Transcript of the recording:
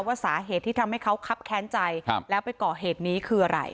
ว่าสาเหตุที่ทำให้เขาคับแค้นใจแล้วไปก่อเหตุนี้คืออะไร